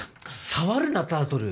触るなタートル！